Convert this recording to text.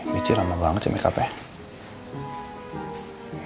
bici lama banget sih makeupnya